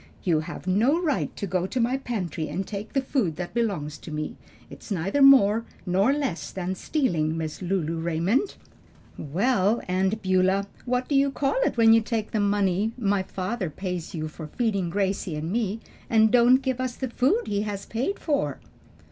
"You have no right to go to my pantry and take the food that belongs to me. It's neither more nor less than stealing, Miss Lulu Raymond." "Well, Aunt Beulah, what do you call it when you take the money my father pays you for feeding Gracie and me, and don't give us the food he has paid for?"